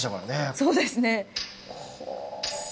そうですね。